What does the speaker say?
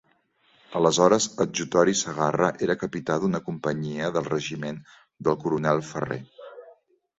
Aleshores, Adjutori Segarra era capità d'una companyia del regiment del coronel Ferrer.